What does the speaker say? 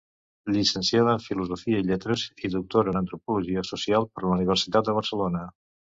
Llicenciada en filosofia i lletres i doctora en antropologia social per la Universitat de Barcelona.